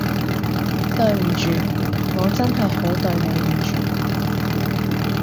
對唔住，我真係好對你唔住